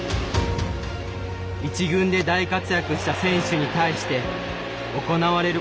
１軍で大活躍した選手に対して行われることが多いんです。